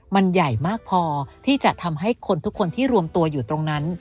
มันใหญ่มากพอที่จะทำให้คนทุกคนที่รวมตัวอยู่ตรงนั้น